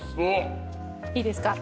いいですか？